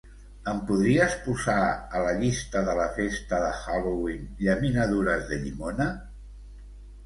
Em podries posar a la llista de la festa de Halloween llaminadures de llimona?